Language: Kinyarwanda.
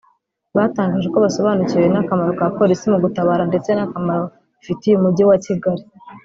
batangaje ko basobanukiwe n’akamaro ka polisi mu gutabara ndetse n’akamaro bifitiye Umujyi wa Kigali